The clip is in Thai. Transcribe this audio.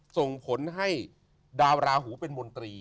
ส่งผลให้ดาวราหูเป็นมนตรี